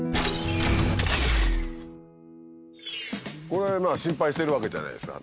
これは心配しているわけじゃないですか。